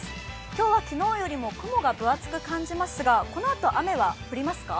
今日は昨日よりも雲が分厚く感じますが、このあと雨は降りますか？